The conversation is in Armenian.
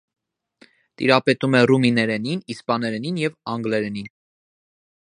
Տիրապետում է ռումիներենին, իսպաներենին և անգլերենին։